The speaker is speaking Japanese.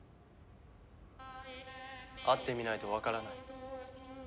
会ってみないとわからない。